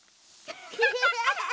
アハハハハ！